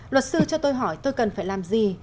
luật sư cho tôi hỏi tôi cần phải làm gì